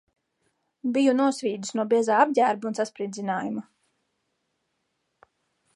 Biju nosvīdis no biezā apģērba un sasprindzinājuma.